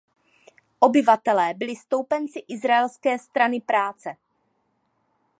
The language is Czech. Obyvatelé byli stoupenci Izraelské strany práce.